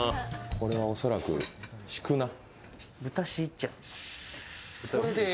これは恐らく敷くな。